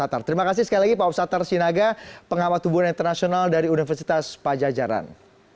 terima kasih sekali lagi pak ustaz tarasinaga pengawas tubuhan internasional dari universitas pajajaran